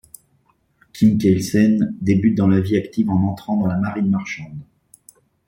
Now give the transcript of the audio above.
Kim Kielsen débute dans la vie active en entrant dans la marine marchande.